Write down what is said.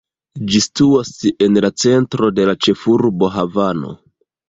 Ĝi situas en la centro de la ĉefurbo, Havano.